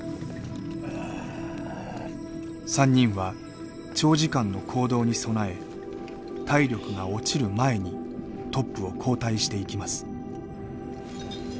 ３人は長時間の行動に備え体力が落ちる前にトップを交代していきます。